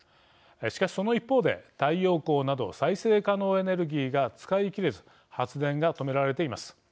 しかし、その一方で太陽光など再生可能エネルギーが使い切れず発電が止められています。